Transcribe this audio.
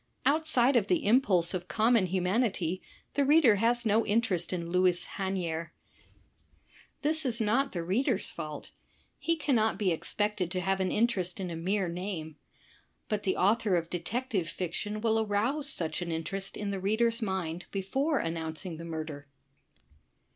Outside of the impulse of common humanity, the reader has no interest in Louis Hanier. This is not the reader's fault. He cannot be ex pected to have an interest in a mere name. But the author of detective fiction will arouse such an interest in the reader's mind before announcing the murder.